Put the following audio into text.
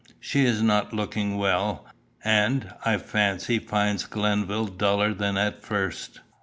She is not looking well, and, I fancy, finds Glenville duller than at first."